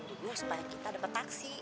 tunggu supaya kita dapet taksi ya